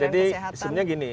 jadi sebenarnya gini